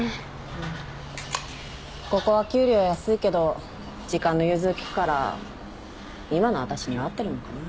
ここは給料安いけど時間の融通利くから今の私には合ってるのかな。